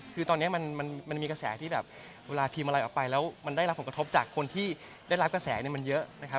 คือตอนนี้มันมีกระแสที่แบบเวลาพิมพ์อะไรออกไปแล้วมันได้รับผลกระทบจากคนที่ได้รับกระแสมันเยอะนะครับ